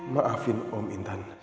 maafin om intan